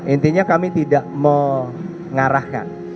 intinya kami tidak mengarahkan